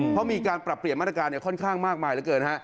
เพราะมีการปรับเปลี่ยนมาตรการค่อนข้างมากมายเหลือเกินฮะ